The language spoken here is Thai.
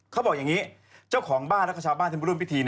เขาบอกอย่างนี้เจ้าของบ้านแล้วก็ชาวบ้านที่มาร่วมพิธี